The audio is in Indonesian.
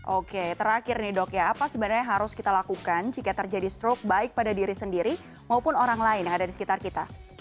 oke terakhir nih dok ya apa sebenarnya yang harus kita lakukan jika terjadi stroke baik pada diri sendiri maupun orang lain yang ada di sekitar kita